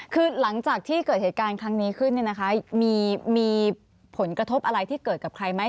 คือหลังจากที่เกิดเหตุการณ์ครั้งนี้ขึ้นเนี่ยนะคะมีผลกระทบอะไรที่เกิดกับใครไหม